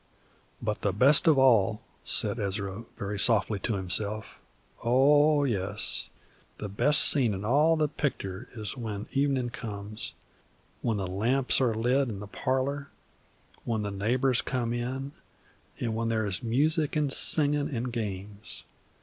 "But the best of all," said Ezra, very softly to himself, "oh, yes, the best scene in all the pictur' is when evenin' comes, when the lamps are lit in the parlor, when the neighbors come in, and when there is music an' singin' an' games.